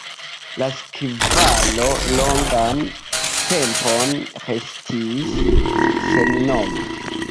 La skvaro longan tempon restis sennoma.